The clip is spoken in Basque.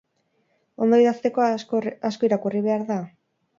Ondo idazteko, asko irakurri behar da?